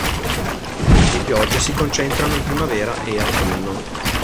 Le piogge si concentrano in primavera e autunno.